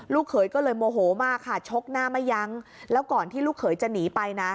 เขยก็เลยโมโหมากค่ะชกหน้าไม่ยั้งแล้วก่อนที่ลูกเขยจะหนีไปนะ